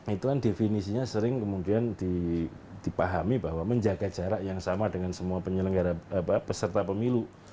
itu kan definisinya sering kemudian dipahami bahwa menjaga jarak yang sama dengan semua penyelenggara peserta pemilu